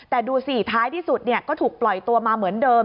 แต่ดูสิท้ายที่สุดก็ถูกปล่อยตัวมาเหมือนเดิม